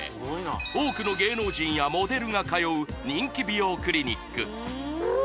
多くの芸能人やモデルが通う人気美容クリニックうわ